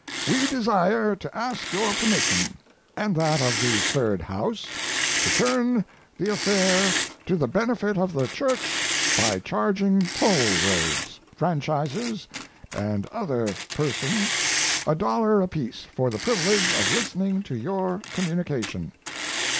] we desire to ask your permission, and that of the Third House, to turn the affair to the benefit of the Church by charging toll roads, franchises, and other persons a dollar apiece for the privilege of listening to your communication.